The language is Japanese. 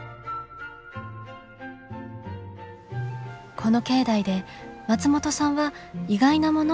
この境内で松本さんは意外なものを目にします。